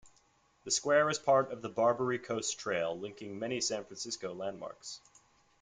The square is part of the Barbary Coast Trail, linking many San Francisco landmarks.